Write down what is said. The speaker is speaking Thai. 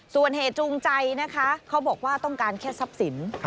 ส่วนเหตุจูงใจนะคะเขาบอกว่าต้องการแค่ทรัพย์สิน